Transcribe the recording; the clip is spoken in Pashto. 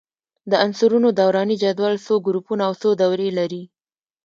د عنصرونو دوراني جدول څو ګروپونه او څو دورې لري؟